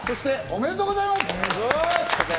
そして、おめでとうございます。